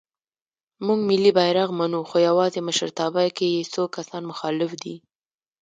مونږ ملی بیرغ منو خو یواځې مشرتابه کې څو کسان یې مخالف دی.